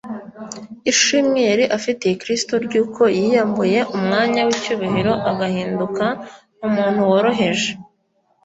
ishimwe yari afitiye kristo ry’uko yiyambuye umwanya w’icyubahiro agahinduka umuntu woroheje